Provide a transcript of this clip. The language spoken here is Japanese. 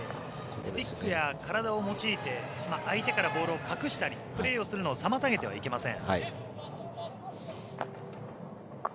スティックや体を用いて相手からボールを隠したりプレーをするのを妨げてはいけません。